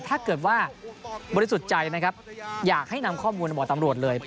ถ้าเกิดว่าบริสุทธิ์ใจนะครับอยากให้นำข้อมูลบอกตำรวจเลย